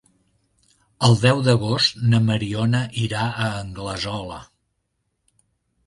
El deu d'agost na Mariona irà a Anglesola.